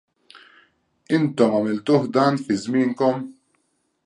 Intom għamiltuh dan fi żmienkom?